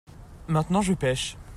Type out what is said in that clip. maintenant je pêche.